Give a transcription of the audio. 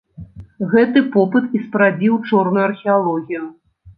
Гэты попыт і спарадзіў чорную археалогію.